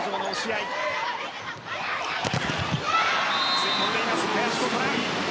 吸い込んでいます、林琴奈。